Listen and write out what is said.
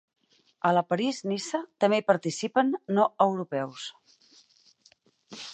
A la París-Niça també hi participen no europeus.